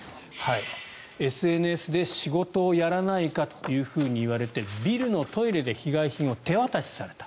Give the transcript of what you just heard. ＳＮＳで仕事をやらないかというふうに言われてビルのトイレで被害品を手渡しされた。